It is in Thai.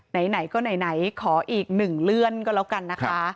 ไหนก็ไหนขออีกหนึ่งเลื่อนก็แล้วกันนะคะ